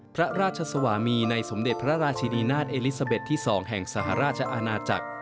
พระราชสวามีในสมเด็จพระราชินีนาฏเอลิซาเบ็ดที่๒แห่งสหราชอาณาจักร